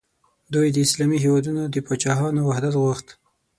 دوی د اسلامي هیوادونو د پاچاهانو وحدت غوښت.